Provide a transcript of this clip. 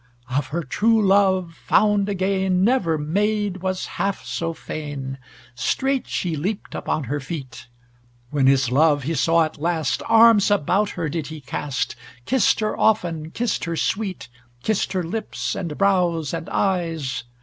Of her true love found again Never maid was half so fain. Straight she leaped upon her feet: When his love he saw at last, Arms about her did he cast, Kissed her often, kissed her sweet Kissed her lips and brows and eyes.